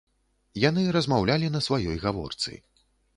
Яны размаўлялі на сваёй гаворцы.